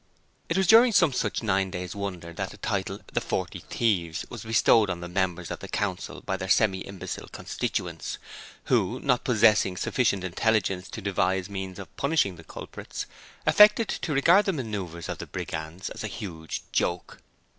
It was during some such nine days' wonder that the title of 'The Forty Thieves' was bestowed on the members of the Council by their semi imbecile constituents, who, not possessing sufficient intelligence to devise means of punishing the culprits, affected to regard the manoeuvres of the Brigands as a huge joke.